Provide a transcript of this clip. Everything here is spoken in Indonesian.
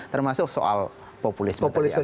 termasuk soal populisme